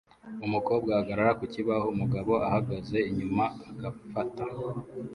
Umukobwa ahagarara ku kibaho umugabo ahagaze inyuma agafata